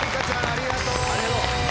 ありがとう。